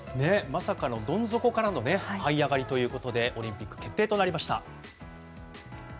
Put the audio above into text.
まさかのどん底からのはい上がりということでオリンピック決定となりました。